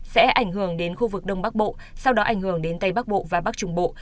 sẽ ảnh hưởng đến khu vực đông bắc bộ sau đó ảnh hưởng đến tây bắc bộ và bắc trung bộ